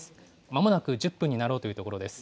まもなく１０分になろうというところです。